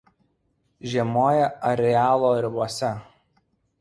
Žiemoja arealo ribose.